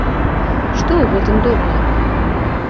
Што ў гэтым добрага?